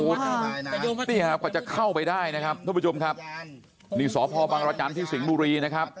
นี่ฮะกว่าจะเข้าไปได้นะครับท่านผู้ชมครับนี่สพบังรจันทร์ที่สิงห์บุรีนะครับ